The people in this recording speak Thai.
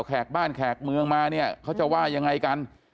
แขกบ้านแขกเมืองมาเนี่ยเขาจะว่ายังไงกัน